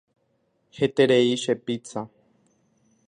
Heterei che pizza.